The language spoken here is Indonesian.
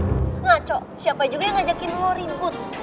ngaco siapa juga yang ngajakin lo ribut